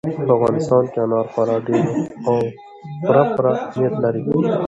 په افغانستان کې انار خورا ډېر او پوره پوره اهمیت لري.